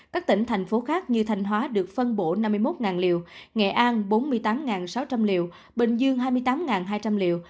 các tỉnh thành phố khác như thanh hóa được phân bổ năm mươi một liều nghệ an bốn mươi tám sáu trăm linh liều bình dương hai mươi tám hai trăm linh liều